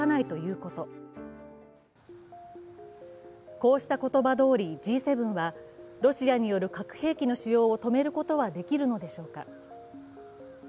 こうした言葉どおりＧ７はロシアによる核兵器の使用を止めることができるでしょうか。